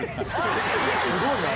すごいな！